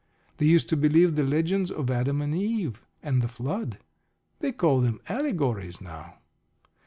They used to believe the legends of Adam and Eve, and the Flood. They call them allegories now.